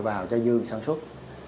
vào cho dương sản xuất